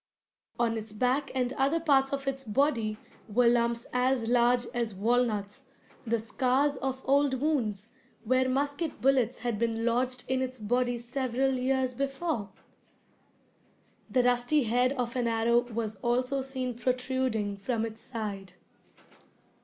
On its back and other parts of its body were lumps as large as walnuts, the scars of old wounds, where musket bullets had been lodged in its body several years before! The rusty head of an arrow was also seen protruding from its side.